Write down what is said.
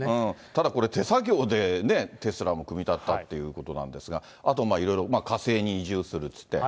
ただこれ、手作業で、テスラも組み立てたっていうことなんですが、あとまあ、いろいろ、火星に移住するって言って。